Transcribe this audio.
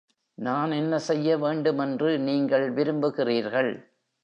நான் என்ன செய்ய வேண்டும் என்று நீங்கள் விரும்புகிறீர்கள்?